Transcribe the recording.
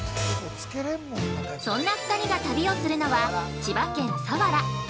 そんな２人が旅をするのは千葉県佐原。